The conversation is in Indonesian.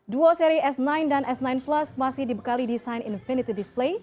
duo seri s sembilan dan s sembilan plus masih dibekali desain infinity display